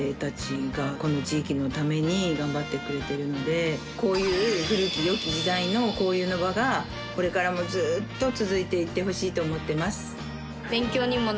普通はねこういう古き良き時代の交流の場がこれからもずっと続いていってほしいと思ってます。